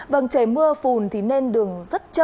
vâng trời mưa phùn thì nên đường rất trơn